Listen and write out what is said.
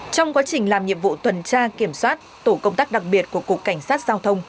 trong quá trình làm nhiệm vụ tuần tra kiểm soát tổ công tác đặc biệt của cục cảnh sát giao thông